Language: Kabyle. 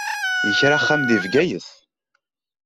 Yekra axxam deg Bgayet.